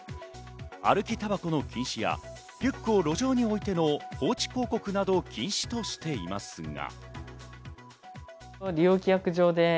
歩きたばこの禁止やリュックを路上に置いての放置広告などを禁止としていますが。